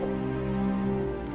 aku mau ke rumah